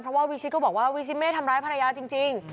เพราะว่าวิชิตก็บอกว่าวิชิตไม่ได้ทำร้ายภรรยาจริง